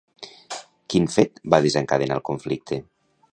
Quin fet va desencadenar el conflicte?